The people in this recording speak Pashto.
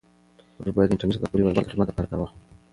موږ باید له انټرنیټ څخه د خپلو هیوادوالو د خدمت لپاره کار واخلو.